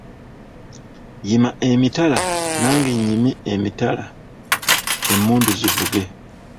Yima emitala nange nnyimi emitala emmundu zivuge.